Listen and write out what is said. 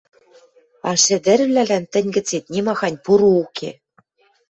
А шӹдӹрвлӓлӓн тӹнь гӹцет нимахань пуры уке.